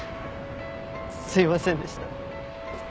すいませんでした。